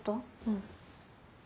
うん。